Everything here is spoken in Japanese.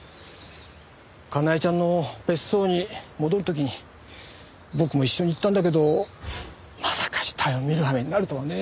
かなえちゃんの別荘に戻る時に僕も一緒に行ったんだけどまさか死体を見るはめになるとはね。